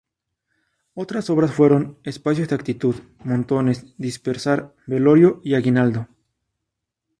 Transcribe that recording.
Otras obras fueron "Espacios de actitud", "Montones", "Dispersar", "Velorio" y "Aguinaldo".